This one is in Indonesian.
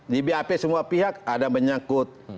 di bap semua pihak ada menyakut